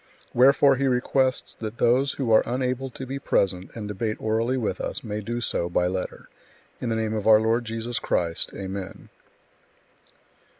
Wherefore he requests that those who are unable to be present and debate orally with us, may do so by letter. In the Name our Lord Jesus Christ. Amen.